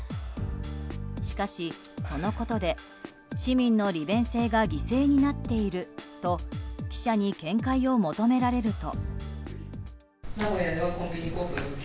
しかし、そのことで市民の利便性が犠牲になっていると記者に見解を求められると。